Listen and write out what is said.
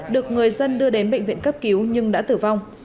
được người dân đưa đến bệnh viện cấp cứu nhưng đã tử vong